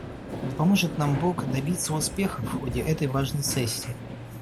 Да поможет нам Бог добиться успеха в ходе этой важной сессии!